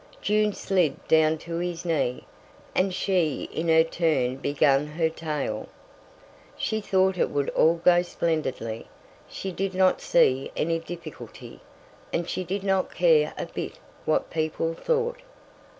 June slid down to his knee, and she in her turn began her tale. She thought it would all go splendidly; she did not see any difficulty, and she did not care a bit what people thought.